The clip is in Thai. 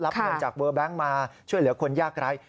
เงินจากเบอร์แบงค์มาช่วยเหลือคนยากไร้